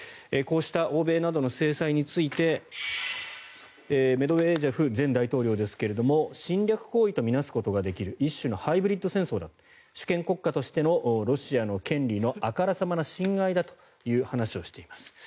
こうした欧米などの制裁についてメドベージェフ前大統領ですが侵略行為と見なすことができる一種のハイブリッド戦争だ主権国家としてのロシアの権利のあからさまな侵害だという話をしています。